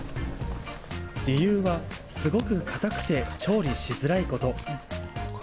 理由は、すごく硬くて調理しづらいこと。